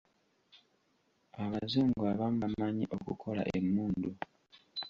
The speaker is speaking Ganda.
Abazungu abamu bamanyi okukola emmundu.